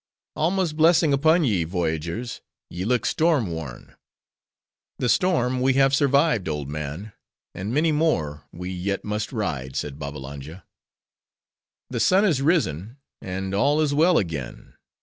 "Alma's blessing upon ye, voyagers! ye look storm worn." "The storm we have survived, old man; and many more, we yet must ride," said Babbalanja. "The sun is risen; and all is well again.